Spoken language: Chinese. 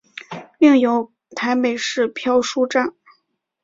另有台北市漂书站。